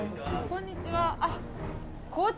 こんにちは。